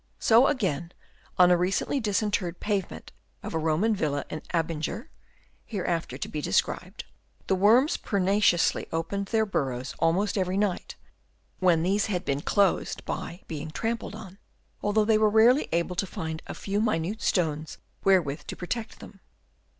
So again on a recently disinterred pavement of a Roman villa at Abinger (hereafter to be described) the worms pertinaciously opened their bur rows almost every night, when these had been closed by being trampled on, although they were rarely able to find a few minute stones wherewith to protect them.